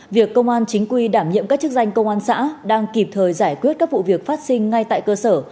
việc công an chính quy đảm nhiệm các chức danh công an xã đang kịp thời giải quyết các vụ việc phát sinh ngay tại cơ sở